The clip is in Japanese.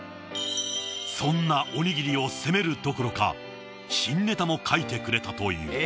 そんなおにぎりを責めるどころか新ネタも書いてくれたという。